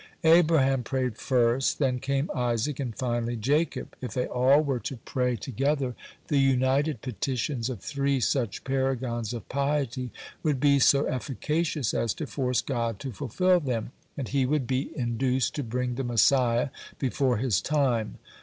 Abraham prayed first, then came Isaac, and finally Jacob. If they all were to pray together, the united petitions of three such paragons of piety would be so efficacious as to force God to fulfil them, and He would be induced to bring the Messiah before his time.